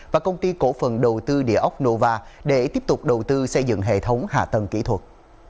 và công ty cổ phần đầu tư địa ốc nova để tiếp tục đầu tư xây dựng hệ thống hạ tầng kỹ thuật